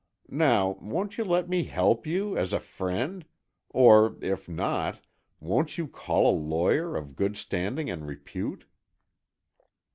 Now, won't you let me help you, as a friend, or, if not, won't you call a lawyer, of good standing and repute?"